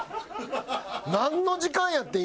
なんの時間やってん？